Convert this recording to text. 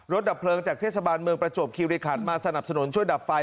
ดับเพลิงจากเทศบาลเมืองประจวบคิริขันมาสนับสนุนช่วยดับไฟ